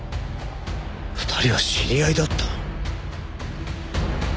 ２人は知り合いだった。